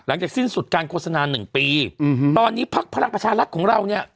หลังจากสิ้นสุดการโฆษณาหนึ่งปีอืมฮือตอนนี้ภักดิ์พลังประชาลักษณ์ของเราเนี่ย